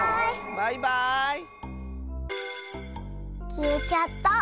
きえちゃった。